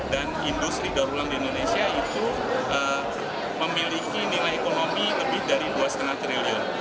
dan industri daun ulang di indonesia itu memiliki nilai ekonomi lebih dari dua lima triliun